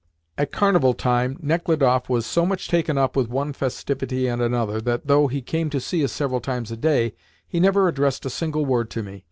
At carnival time Nechludoff was so much taken up with one festivity and another that, though he came to see us several times a day, he never addressed a single word to me.